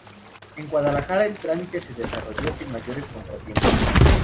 En Guadalajara el trámite se desarrolló sin mayores contratiempos.